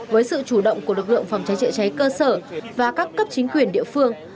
với sự chủ động của lực lượng phòng cháy chữa cháy cơ sở và các cấp chính quyền địa phương